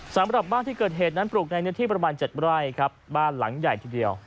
สำหรับบ้านที่เกิดเหตุนั้นปลูกในเนื้อที่ประมาณ๗ไร่ครับบ้านหลังใหญ่ทีเดียว